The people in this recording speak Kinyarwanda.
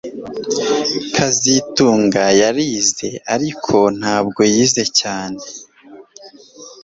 kazitunga yarize ariko ntabwo yize cyane